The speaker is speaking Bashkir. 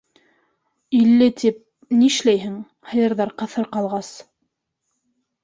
Илле тип... нишләйһең... һыйырҙар ҡыҫыр ҡалғас.